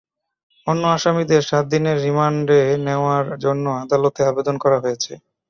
অন্য আসামিদের সাত দিনের রিমান্ডে নেওয়ার জন্য আদালতে আবেদন করা হয়েছে।